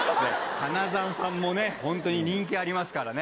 花澤さんもね、本当に人気ありますからね。